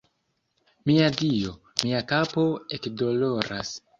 Mia Dio, mia kapo ekdoloras